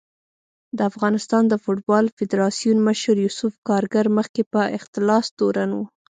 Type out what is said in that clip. د افغانستان د فوټبال فدارسیون مشر یوسف کارګر مخکې په اختلاس تورن و